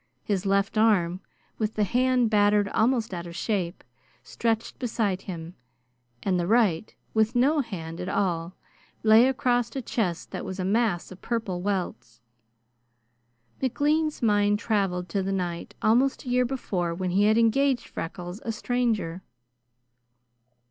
His left arm, with the hand battered almost out of shape, stretched beside him, and the right, with no hand at all, lay across a chest that was a mass of purple welts. McLean's mind traveled to the night, almost a year before, when he had engaged Freckles, a stranger.